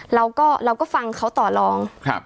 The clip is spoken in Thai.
เราก็เราก็ฟังเขาต่อลอง